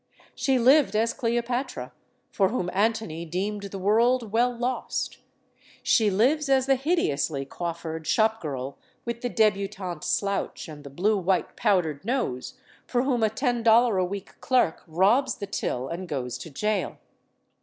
She lived as Cleopatra, for whom Antony deemed the world well lost. She lives as the hideously coifFured shopgirl with the debutante slouch and the blue white powdered nose, for whom a ten dollar a week clerk robs the till and goes to jail.